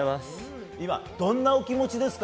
今どんな気持ちですか？